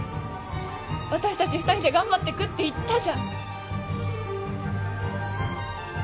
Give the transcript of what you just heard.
私たち２人で頑張ってくって言ったじゃん。